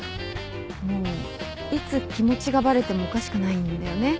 もういつ気持ちがバレてもおかしくないんだよね。